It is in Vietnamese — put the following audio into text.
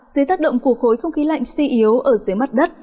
dưới tác động của khối không khí lạnh suy yếu ở dưới mặt đất